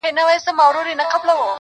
پټ راته مغان په لنډه لار کي راته وویل،